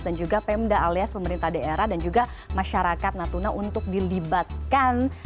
dan juga pemda alias pemerintah daerah dan juga masyarakat natuna untuk dilibatkan